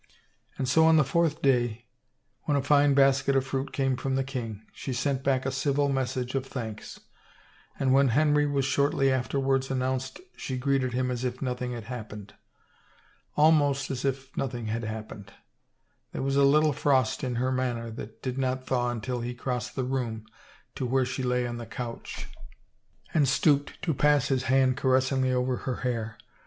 And so on the fourth day, when a fine basket of fruit came from the king, she sent back a civil message of thanks, and when Henry was shortly afterwards an nounced she greeted him as if nothing had happened. Almost as if nothing had happened. There was a little frost in her manner that did not thaw until he crossed the room to where she lay on the couch and stooped to pass his hand caressingly over her hair.